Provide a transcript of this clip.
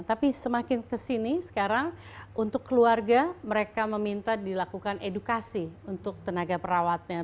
tapi semakin kesini sekarang untuk keluarga mereka meminta dilakukan edukasi untuk tenaga perawatnya